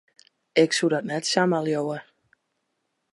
Ik soe dat net samar leauwe.